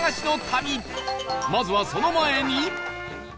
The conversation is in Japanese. まずはその前に